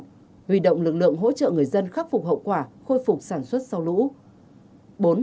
huy động lực lượng hỗ trợ người dân khắc phục hậu quả khôi phục sản xuất sau lũ